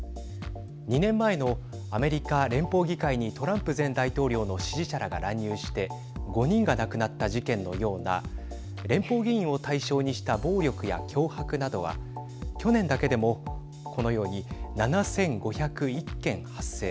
２年前のアメリカ連邦議会にトランプ前大統領の支持者らが乱入して５人が亡くなった事件のような連邦議員を対象にした暴力や脅迫などは去年だけでも、このように７５０１件、発生。